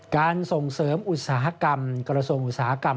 การส่งเสริมอุตสาหกรรมกระทรวงอุตสาหกรรม